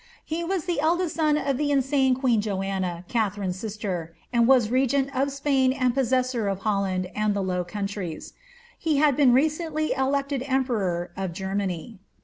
he was the eldest son of the insane queen Joanna, Katharine's sbter, and was regent of Spain and possessor of Holland and the Low Countries ; he had been recently elected em peror of Germany.